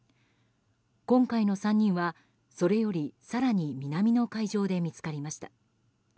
今回の３人はそれより更に南の海上で見つかりました。